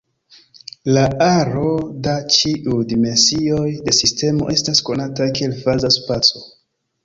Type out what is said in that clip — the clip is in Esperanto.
La aro da ĉiuj dimensioj de sistemo estas konata kiel faza spaco.